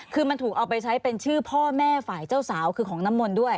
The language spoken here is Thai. คือมันถูกเอาไปใช้เป็นชื่อพ่อแม่ฝ่ายเจ้าสาวคือของน้ำมนต์ด้วย